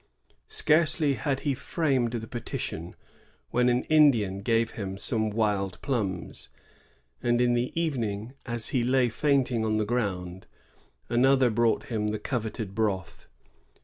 Scarcely had he framed the petition when an Indian gave him some wild plums ; and in the evening, as he lay fainting on the ground, another brought him the coveted broth.